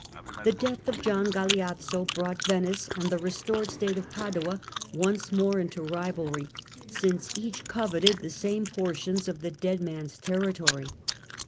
The death of Gian Galeazzo brought Venice and the restored State of Padua once more into rivalry, since each coveted the same portions of the dead man's territory.